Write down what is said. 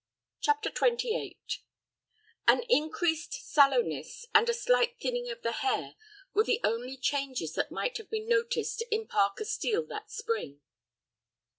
CHAPTER XXVIII An increased sallowness and a slight thinning of the hair were the only changes that might have been noticed in Parker Steel that spring.